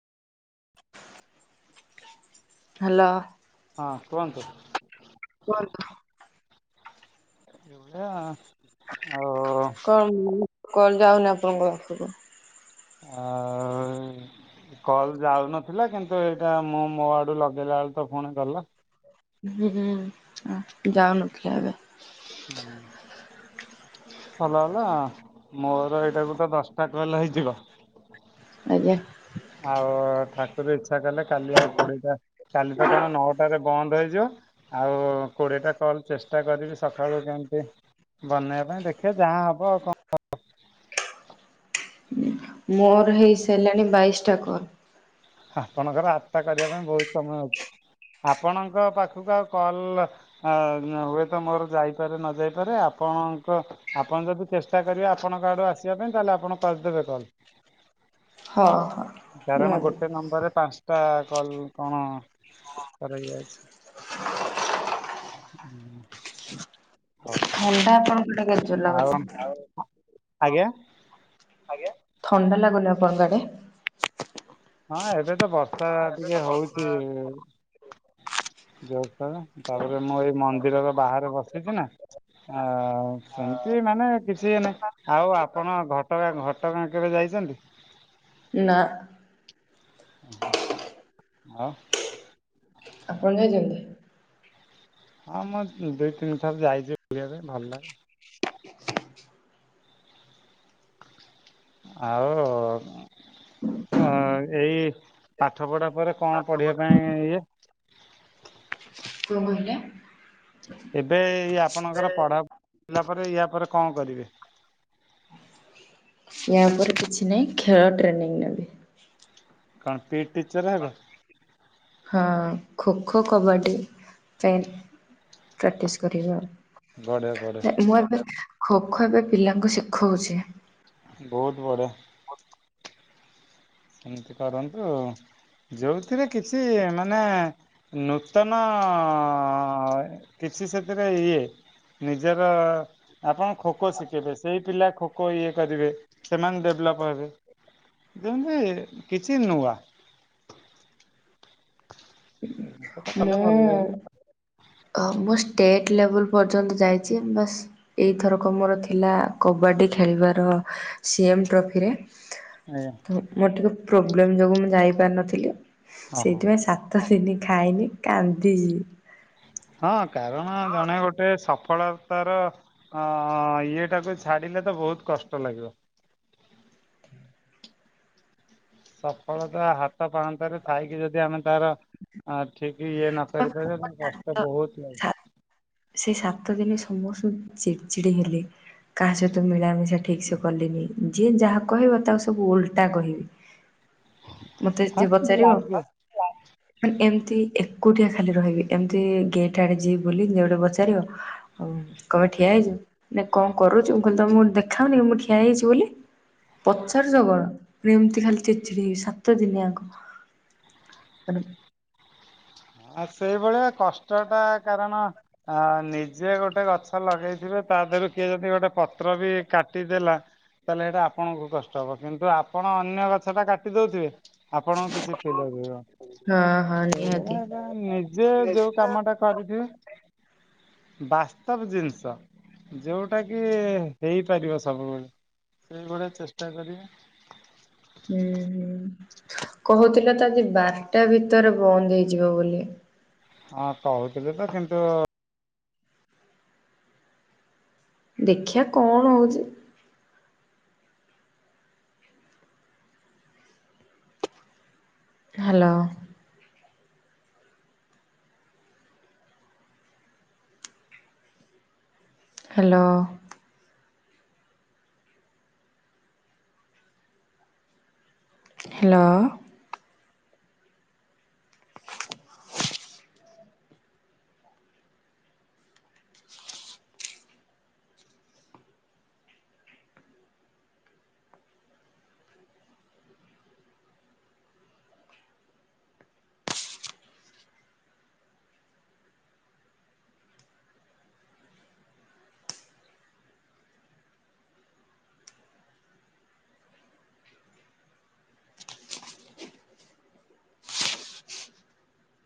Hello. ହଁ କୁହନ୍ତୁ। କୁହନ୍ତୁ। ଏଇଭଳିଆ ଆଉ କଲ୍ କଲ୍ ଯାଉନି ଆପଣଙ୍କ ପାଖକୁ। ଆଉ। କଲ୍ ଯାଉନଥିଲା, କିନ୍ତୁ ଏଇଟା ମୁଁ ମୋ ଆଡୁ ଲଗେଇଲା ବେଳକୁ ତ ଫୁଣି ଗଲା। ହୁଁ- ହୁଁ ଯାଉ ନଥିଲା ଏବେ। ହୁଁ। ଭଲ ହେଲା ମୋର ଏଇଟା ଗୋଟେ ଦଶଟା କଲ୍ ହେଇଯିବ। ଆଜ୍ଞା। ଆଉ ଠା କୁର ଇଚ୍ଛା କଲେ କାଲି ଆଉ କୋଡିଏଟା, କାଲି ତ କଣ ନଅଟାରେ ବନ୍ଦ ହେଇଯିବ। ଆଉ କୋଡିଏଟା କଲ୍ ଚେଷ୍ଟା କରିବି ସଖାଳୁ କେମିତି ବନେଇଆ ପାଇଁ ଦେଖେ ଯାହା ହବ ଆଉ, କଣ ମୋର ହେଇସାରିଲାଣି ବାଇଶଟା କଲ୍। ଆପଣଙ୍କର ଆଠଟା କରିଆ ପାଇଁ ବହୁତ ସମୟ ଅଛି। ଆପଣଙ୍କ ପାଖକୁ ଆଉ କଲ୍ ଆ ହୁଏତ ମୋର ଯାଇପାରେ ନ ଯାଇପାରେ, ଆପଣଙ୍କ ଆପଣ ଯଦି ଚେଷ୍ଟା କରିବେ ଆପଣଙ୍କ ଆଡୁ ଆସିଆ ପାଇଁ, ତାହେଲେ ଆପଣ କରିଦେବେ କଲ୍। ହଁ- ହଁ। କାରଣ ନିହାତି ଗୋଟେ ନମ୍ବରରେ ପାଞ୍ଚଟା କଲ୍ କଣ କରାଯାଉଛି। ଉଁ ହଉ। ଥଣ୍ଡା ଆପଣଙ୍କୁ କେଡ଼େ ଜୋରେ ଲାଗୁଛି? ଆଉ ଆଜ୍ଞା ଆଜ୍ଞା ଥଣ୍ଡା ଲାଗୁନି ଆପଣଙ୍କ ଆଡେ? ହଁ ଏବେ ତ ବର୍ଷା ଟିକେ ହଉଚି ଯୋଉ, [unintelligible] ତାପରେ ମୁଁ ଏଇ ମନ୍ଦିରର ବାହାରେ ବସିଛି ନା। ଆ ସେମିତି ମାନେ କିଛି ଇଏ ନାଇଁ, ଆଉ ଆପଣ ଘଟଗାଁ ଘ ଘଟ ଗାଁ କେବେ ଯାଇଛନ୍ତି? ନା। ହଁ। ଆପଣ ଯାଇଚନ୍ତି? ହଁ ମୁଁ ଦୁଇ ତିନି ଥର ଯାଇଛି ବୁଲିଆ ପାଇଁ, ଭଲ ଆଉ ଅ ଏଇ ପାଠ ପଢା ପରେ କଣ ପଢିଆ ପାଇଁ ଇଏ? କଣ କହିଲେ? ଏବେ ଆପଣଙ୍କର ପଢ଼ା ପଢିଲା ପରେ, ୟା ପରେ କଣ କରିବେ? ୟା ଉପରେ କିଛି ନାହିଁ, ଖେଳ ଟ୍ରେନିଂ ନେବି। କଣ ପି ଇ ଟି ଟିଚର ହେବେ? ହଁ ଖୋ ଖୋ, କବାଡ଼ି ପାଇଁ ପ୍ରାକ୍ଟିସ୍ କରିବି ଆଉ। ବଢ଼ିଆ ବଢ଼ିଆ ନା ମୁଁ ଏବେ ଖୋ ଖୋ ଏବେ ପିଲାଙ୍କୁ ଶିଖଉଚି। ବହୁତ ବଢ଼ିଆ। ଏମିତି କରନ୍ତୁ ଯୋଉଥିରେ କିଛି ମାନେ। ନୂତନ କିଛି ସେଥିରେ ଇଏ। ନିଜର। ଆପଣ ଖୋ ଖୋ ଶିଖେଇବେ ସେଇ ପିଲା ଖୋ ଖୋ ଇଏ କରିବେ ସେମାନେ ଡେଭଲପ ହେବେ। ଯେମତି କିଛି ନୂଆ। ଏ ଜିନିଷ ଟା କଲେ ଭଲ ଲାଗିବ। ହଁ ମୁଁ ଷ୍ଟେଟ ଲେବୁଲ୍ ପର୍ଯ୍ୟନ୍ତ ଯାଇଛି ବାସ୍। ଏଇଥରକ ମୋର ଥିଲା କବାଡ଼ି ଖେଳିବାର ସିଏମ୍ ଟ୍ରଫିରେ। ଆଜ୍ଞା। ତ ମୋର ଟିକେ ପ୍ରୋବ୍ଲେମ ଯୋଗୁ ମୁଁ ଯାଇ ପାରିନଥିଲି ଓହୋ ସେଇଥି ପାଇଁ ସାତ ତ ଦିନି ଖାଇନି କାନ୍ଦିଛି। ହଁ କାରଣ ଜଣେ ଗୋଟେ ସଫଳତାର। ହଁ ଇଏଟାକୁ ଛାଡିଲେ ତ ବହୁତ କଷ୍ଟ ଲାଗିବ। ସଫଳତା ହାତ ପାହାନ୍ତରେ ଥାଇକି ଯଦି ଆମେ। ତାର ଏଁ ଠିକ ଇଏ ନ କରି ପାରିବ ତା କଷ୍ଟ ବହୁତ ଲାଗେ। ସେଇ ସାତ ଦିନି ସମସ୍ତଙ୍କୁ ଚିଡଚିଡି ହେଲି। କାହା ସହିତ ମିଳାମିଶା ଠିକ ସେ କଲିନି ଯିଏ ଯାହା କହିବ ତାକୁ ସବୁ ଓଲଟା କହିବି। ମତେ ହଁ ଯିଏ ସେମିତି ପଚାରିବ। ଲାଗେ। ଖାଲି ଏମିତି ଏକୁଟିଆ ଖାଲି ରହିବି ଏମିତି ଗେଟ ଆଡେ ଯିବି ବୁଲିବି ଗେଟ ଉ ଚଢ଼ିବ। ହଉ କହିବେ ଠିଆ ହେଇଛୁ ନା କଣ କରୁଛୁ ମୁଁ କହିଲି ତମକୁ ଦେଖାଉନି କି ମୁଁ ଠିଆ ହେଇଛି ବୋଲି। ପଚାରୁଛ କଣ ପୁରା ଏମତି ଖାଲି ଚିଡ ଚିଡି ହେଲି ସାତ ଦିନ ଯାକ। ଆ ସେଇ ଭଳିଆ କଷ୍ଟ ଟା କାରଣ ଆ ନିଜେ ଗୋଟେ ଗଛ। ଲଗେଇଥିବେ ତା ଧିଅରୁ କିଏ ଯଦି ଗୋଟେ ପତ୍ର ବି କାଟିଦେଲା। ତାହେଲେ ସେଇଟା ଆପଣଙ୍କୁ କଷ୍ଟ ହେବ କିନ୍ତୁ ଆପଣ ଅନ୍ୟ ଗଛଟା କାଟି ଦେଉଥିବେ। ଆପଣଙ୍କୁ କିଛି ଫିଲ୍ ଲାଗିବନି ହଁ ହଁ ସେଇ ନିହାତି ଭଳିଆ କଁ ନିଜେ ଯୋଉ କାମଟା। କରିଥିବେ ବାସ୍ତବ ଜିନିଷ ‌। ଯୋଉଟା କି ହେଇ ପାରିବ ସବୁବେଳେ ସେଇଭଳିଆ ଚେଷ୍ଟା କରିବେ। ହୁଁ ହୁଁ କହୁଥିଲେ ତ ଆଜି ବାରଟା ଭିତରେ ବନ୍ଦ ହେଇଯିବ ବୋଲି। ହଁ କହୁଥିଲେ ତ କିନ୍ତୁ। ଦେଖିବା କଣ ହଉଛି। ହାଲୋ। ହାଲୋ। ହେଲୋ।